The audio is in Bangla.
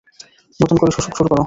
নতুন করে শুরু করো।